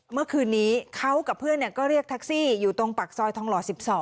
เมื่อคืนนี้เขากับเพื่อนก็เรียกแท็กซี่อยู่ตรงปากซอยทองหล่อ๑๒